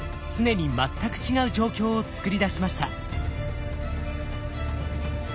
常に全く違う状況を作り出しました。